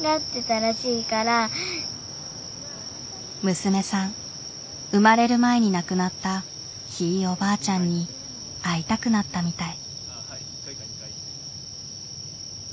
娘さん生まれる前に亡くなったひいおばあちゃんに会いたくなったみたい。